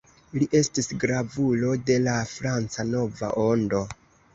Li estis gravulo de la Franca Nova Ondo.